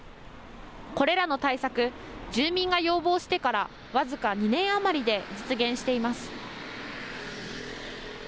これらの対策、住民が要望してから僅か２年余りで実現しています。